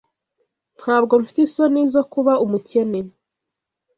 Ntabwo mfite isoni zo kuba umukene.